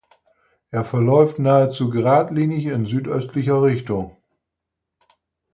Er verläuft nahezu geradlinig in südöstlicher Richtung.